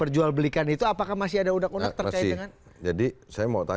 jadi kita akan mencoba untuk mencoba